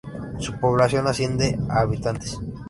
Su población asciende a habitantes.